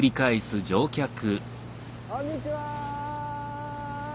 こんにちは！